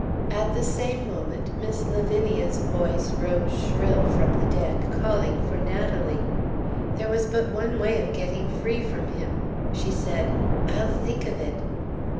At the same moment Miss Lavinia's voice rose shrill from the deck calling for Natalie. There was but one way of getting free from him. She said, "I'll think of it."